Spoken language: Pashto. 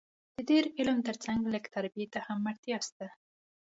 د ډېر علم تر څنګ لږ تربیې ته هم اړتیا سته